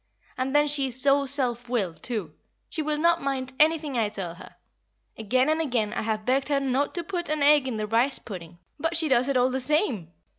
And then she is so self willed, too she will not mind anything I tell her. Again and again I have begged her not to put an egg in the rice pudding, but she does it all the same."